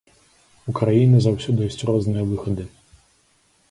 У краіны заўсёды ёсць розныя выхады.